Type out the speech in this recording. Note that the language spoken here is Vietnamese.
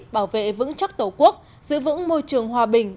bảo vệ vững chắc tổ quốc giữ vững môi trường hòa bình